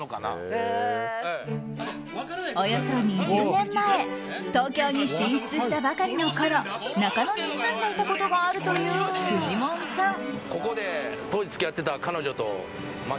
およそ２０年前東京に進出したばかりのころ中野に住んでいたことがあるという、フジモンさん。